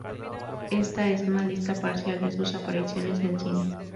Esta es una lista parcial de sus apariciones en cine.